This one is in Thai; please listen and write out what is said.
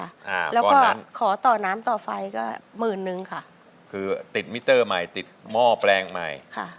ค่ะแล้วก็ขอต่อน้ำต่อไฟก็หมื่นนึงค่ะคือติดมิเตอร์ใหม่ติดหม้อแปลงใหม่ค่ะ